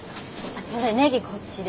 それネギこっちで。